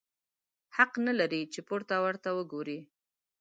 حق نه لرې چي پورته ورته وګورې!